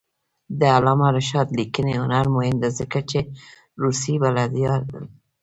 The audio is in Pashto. د علامه رشاد لیکنی هنر مهم دی ځکه چې روسي بلدتیا لري.